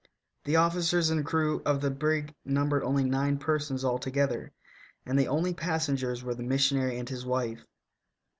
The officers and crew of the brig numbered only nine persons altogether, and the only pas sengers were the missionary and his wife.